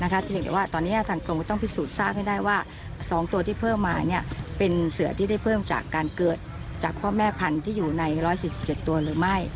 เพียงแต่ว่าตอนนี้ทางกรมก็ต้องพิสูจน์ทราบให้ได้ว่า๒ตัวที่เพิ่มมาเป็นเสือที่ได้เพิ่มจากการเกิดจากพ่อแม่พันธุ์ที่อยู่ใน๑๔๗ตัวหรือไม่